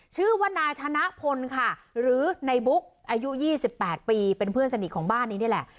ชื่อว่านายธนพลค่ะหรือในบุ๊กอายุ๒๘ปีเป็นเพื่อนสนิทของบ้านนี้นี่แหละ